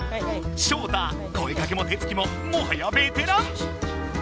ショウタ声かけも手つきももはやベテラン？